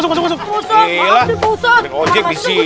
iya lah ada yang ojek disini